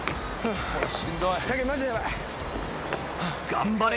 頑張れ。